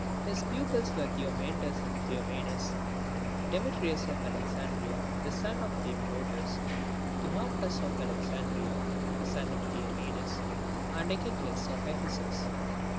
V. His pupils were Theomentus and Cleomenes, Deme trius of Alexandria, the son of Theombrotus, Timarchus of Alexandria, the son of Cleomenes, and Echecles, of Ephesus.